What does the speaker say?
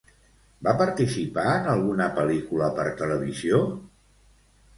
Va participar en alguna pel·licula per televisió?